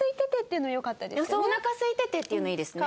そう「お腹空いてて」っていうのいいですね。